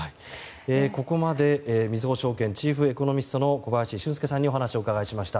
ここまでみずほ証券チーフエコノミストの小林俊介さんにお話をお伺いしました。